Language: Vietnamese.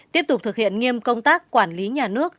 tiếp tục thực hiện nghiêm công tác quản lý nhà nước